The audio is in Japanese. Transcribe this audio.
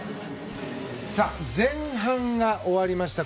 前半が終わりました。